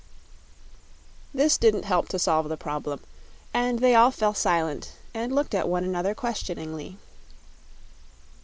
This didn't help to solve the problem, and they all fell silent and looked at one another questioningly.